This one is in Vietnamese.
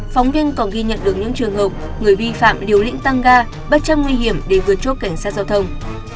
phóng viên còn ghi nhận được những trường hợp người vi phạm liều lĩnh tăng ga bất chấp nguy hiểm để vượt chốt cảnh sát giao thông